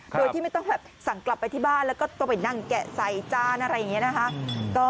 โดยที่ไม่ต้องแบบสั่งกลับไปที่บ้านแล้วก็ต้องไปนั่งแกะใส่จานอะไรอย่างนี้นะคะ